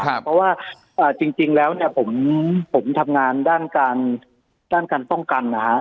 ครับเพราะว่าอ่าจริงจริงแล้วเนี้ยผมผมทำงานด้านการด้านการป้องกันนะฮะ